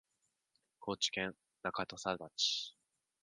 高知県中土佐町